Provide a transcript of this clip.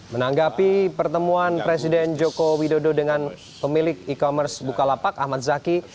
menanggapi pertemuan presiden joko widodo dengan pemilik e commerce bukalapak ahmad zaki